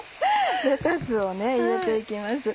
レタスを入れて行きます。